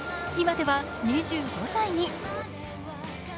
今では２５歳に。